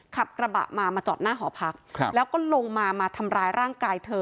ขับกระบะมามาจอดหน้าหอพักแล้วก็ลงมามาทำร้ายร่างกายเธอ